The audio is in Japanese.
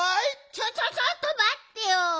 ちょちょちょっとまってよ！